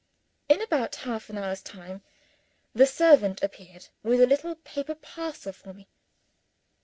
In about half an hour's time, the servant appeared with a little paper parcel for me.